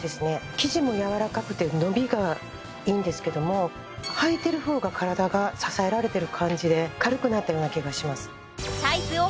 生地もやわらかくて伸びがいいんですけどもはいてる方が体が支えられてる感じで軽くなったような気がします